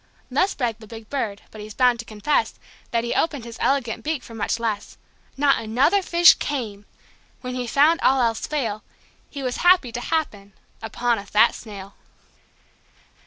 Thus bragged the big Bird. But he's bound to confess That he opened his elegant beak for much less. Not another fish came. When he found all else fail, He was happy to happen upon a fat snail.